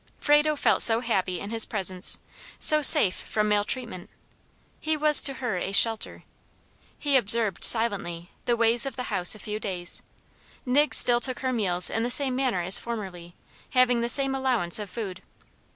Frado felt so happy in his presence, so safe from maltreatment! He was to her a shelter. He observed, silently, the ways of the house a few days; Nig still took her meals in the same manner as formerly, having the same allowance of food.